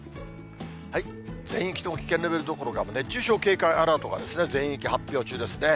全域とも危険レベルどころか熱中症警戒アラートが全域発表中ですね。